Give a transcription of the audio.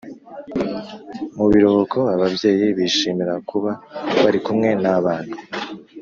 Mubiruhuko ababyeyi bishimira kuba barikumwe nabana